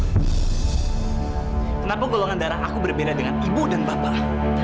kenapa golongan darah aku berbeda dengan ibu dan bapak